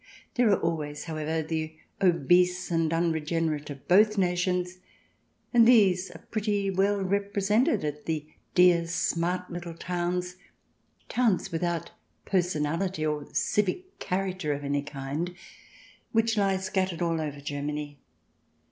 There are always, however, the obese and unregenerate of both nations, and these are pretty well represented at the dear, smart little towns — towns without personality or civic character of any kind — which lie scattered all over Germany.